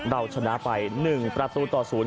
เราชนะไป๑ประตูต่อศูนย์